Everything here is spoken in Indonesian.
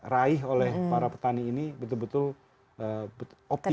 raih oleh para petani ini betul betul optimis